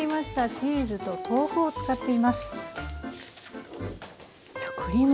チーズと豆腐を使っています。